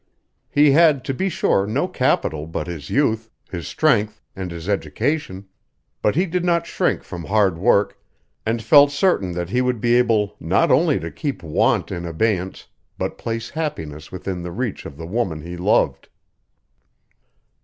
He had, to be sure, no capital but his youth, his strength, and his education, but he did not shrink from hard work and felt certain that he would be able not only to keep want in abeyance but place happiness within the reach of the woman he loved.